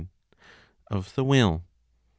Of the Will. vi.